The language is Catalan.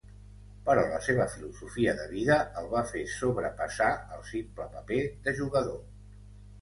Però la seva filosofia de vida el va fer sobrepassar el simple paper de jugador.